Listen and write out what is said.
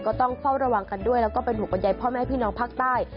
ก็ต้องเฝ้าระวังกันด้วยแล้วก็เป็นห่วงบรรยายพ่อแม่พี่น้องภาคใต้